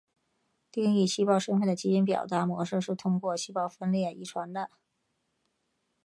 定义细胞身份的基因表达模式是通过细胞分裂遗传的。